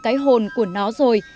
cái hồn của nó rồi